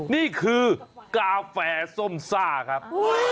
นี่คือกาแฟส้มซ่าครับ